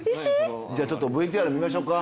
じゃちょっとＶＴＲ見ましょうか。